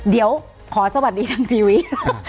เดี๋ยวขอสวัสดีทางทีวี